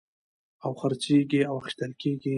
او خرڅېږي او اخيستل کېږي.